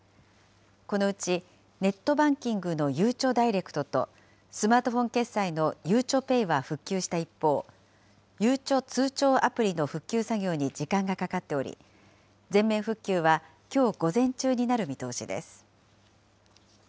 このうち、ネットバンキングのゆうちょダイレクトと、スマートフォン決済のゆうちょＰａｙは復旧した一方、ゆうちょ通帳アプリの復旧作業に時間がかかっており、全面復旧はきょう午前中になる見通しです。